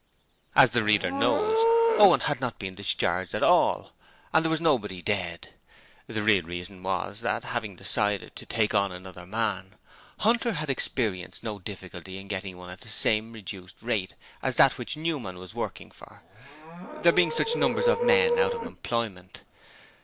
As the reader knows, Owen had not been discharged at all, and there was nobody dead. The real reason was that, having decided to take on another man, Hunter had experienced no difficulty in getting one at the same reduced rate as that which Newman was working for, there being such numbers of men out of employment.